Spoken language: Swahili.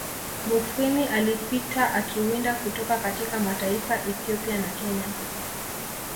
Mufwimi alipita akiwinda kutoka katika mataifa Ethiopia na Kenya